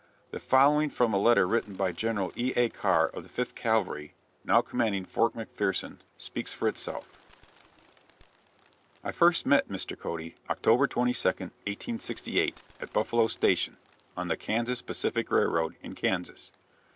The following from a letter written by General E. A. Carr, of the Fifth Cavalry, now commanding Fort McPherson, speaks for itself: "I first met Mr. Cody, October 22d, 1868, at Buffalo Station, on the Kansas Pacific railroad, in Kansas.